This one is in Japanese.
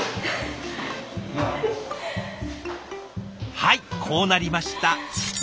はいこうなりました。